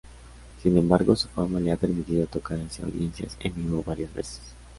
Sin embargo, su fama le ha permitido tocar hacia audiencias en vivo varias veces.